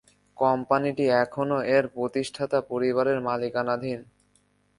কোম্পানিটি এখনও এর প্রতিষ্ঠাতা পরিবারের মালিকানাধীন।